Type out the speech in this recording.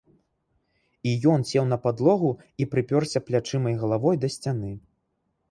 І ён сеў на падлогу і прыпёрся плячыма і галавой да сцяны.